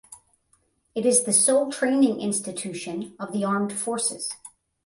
It is the sole training institution of the armed forces.